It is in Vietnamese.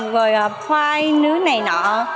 rồi khoai nướng này nọ